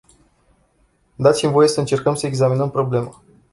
Dați-mi voie să încercăm să examinăm problema.